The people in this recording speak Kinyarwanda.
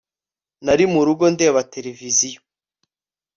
nari murugo ndeba televiziyo